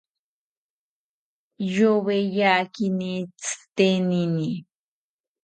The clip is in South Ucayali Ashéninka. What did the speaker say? Yoweyakini tzitenini